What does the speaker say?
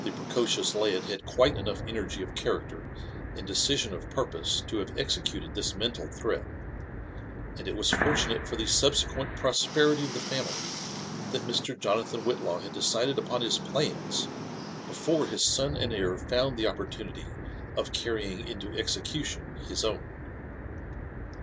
The precocious lad had quite enough energy of character and decision of purpose to have executed this mental threat ; and it was for tunate for the subsequent prosperity of the family that Mr. Jonathan Whitlaw had decided upon his plans before his son and heir found the opportunity of carrying into execution his own.